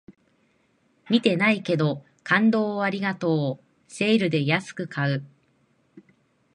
見てないけど、感動をありがとうセールで安く買う